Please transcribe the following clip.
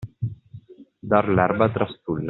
Dar l'erba trastulla.